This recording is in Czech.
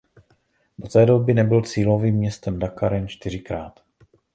Do té doby nebyl cílovým městem Dakar jen čtyřikrát.